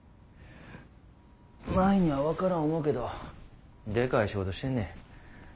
舞には分からん思うけどでかい仕事してんねん。